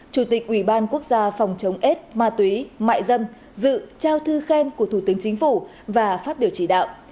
chủ tịch ủy ban quốc gia phòng chống ết ma túy mại dâm dự trao thư khen của thủ tướng chính phủ và phát biểu chỉ đạo